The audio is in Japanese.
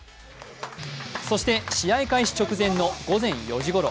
そして、試合開始直前の午前４時ごろ。